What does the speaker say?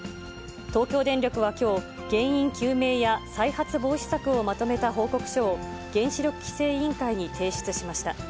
東京電力はきょう、原因究明や再発防止策をまとめた報告書を原子力規制委員会に提出しました。